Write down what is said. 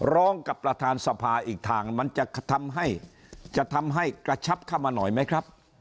ร้องกับประธานสภาอีกทางมันจะทำให้จะทำให้กระชับเข้ามาหน่อยไหมครับ